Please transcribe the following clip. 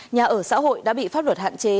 nhà ở xã hội đã bị pháp luật hạn chế